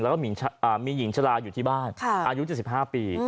แล้วก็มีหญิงชะลาอยู่ที่บ้านอายุ๗๕ปี